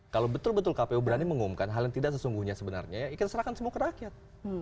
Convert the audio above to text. kalau betul betul kpu berani mengumumkan hal yang tidak sesungguhnya sebenarnya ya kita serahkan semua ke rakyat